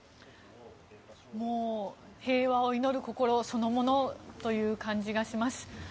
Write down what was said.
平和を祈る心そのものという感じがします。